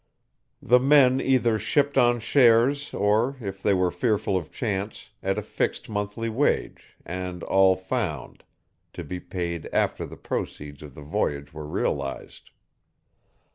The men either shipped on shares or, if they were fearful of chance, at a fixed monthly wage "and all found," to be paid after the proceeds of the voyage were realized.